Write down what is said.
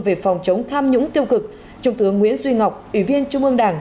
về phòng chống tham nhũng tiêu cực trung tướng nguyễn duy ngọc ủy viên trung ương đảng